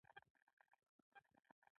کچالو د خاورې لاندې پیدا کېږي